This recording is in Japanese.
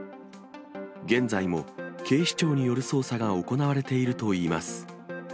現在も警視庁による捜査が行われているといいます。